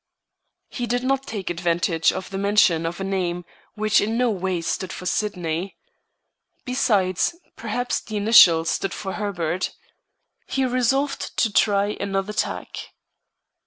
He did not take advantage of the mention of a name which in no way stood for Sydney. Besides, perhaps the initial stood for Herbert. He resolved to try another tack.